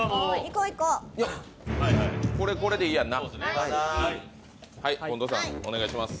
これでいいやんな。